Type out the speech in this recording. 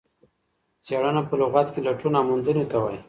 څېړنه په لغت کې لټون او موندنې ته وايي.